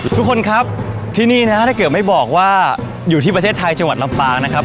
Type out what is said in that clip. ทุกคนครับที่นี่นะถ้าเกิดไม่บอกว่าอยู่ที่ประเทศไทยจังหวัดลำปางนะครับ